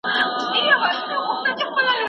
خدای انسان پیدا کړ ترڅو په مځکه کي ژوند وکړي.